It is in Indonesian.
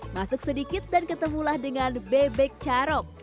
masuk sedikit dan ketemulah dengan bebek carok